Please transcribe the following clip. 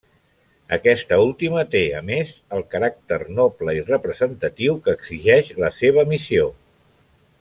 Aquesta última té, a més, el caràcter noble i representatiu que exigeix la seva missió.